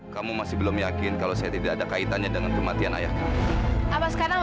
kamu masih belum yakin kalau saya tidak ada kaitannya dengan kematian ayah apa sekarang